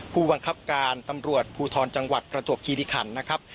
ผู้บังคับการตำรวจภูทรจังหวัดประจวบคิริขันนะครับ